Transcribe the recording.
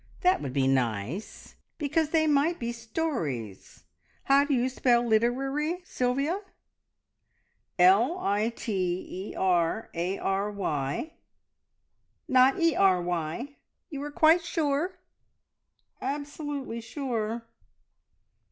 That would be nice, because they might be stories. How do you spell `literery', Sylvia?" "L i t e r a r y!" "Not `e r y?' You are quite sure?" "Absolutely sure!"